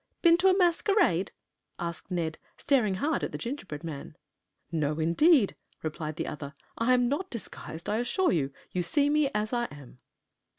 "Been to a masquerade?" asked Ned, staring hard at the gingerbread man. "No, indeed," replied the other. "I am not disguised, I assure you. You see me as I am."